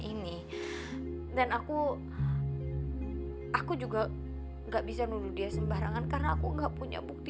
ini dan aku aku juga enggak bisa nunuh dia sembarangan karena aku enggak punya bukti